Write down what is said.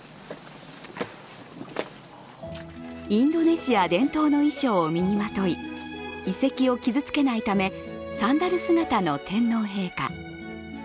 インドネシア伝統の衣装を身にまとい遺跡を傷つけないためサンダル姿の天皇陛下。